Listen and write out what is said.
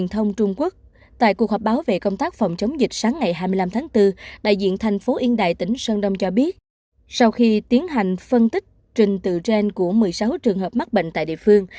sau khi tiến hành phân tích trình tự gen của một mươi sáu trường hợp mắc bệnh tại địa phương